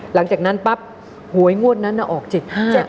หลังจากนั้นปั๊บหวยงวดนั้นออก๗๕๗